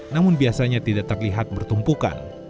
namun biasanya tidak terlihat bertumpukan